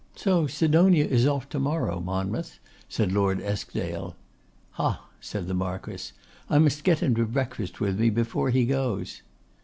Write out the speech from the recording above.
'So Sidonia is off to morrow, Monmouth,' said Lord Eskdale. 'Hah!' said the Marquess. 'I must get him to breakfast with me before he goes.